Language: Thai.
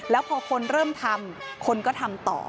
แล้วพอคนเริ่มทำคนก็ทำต่อ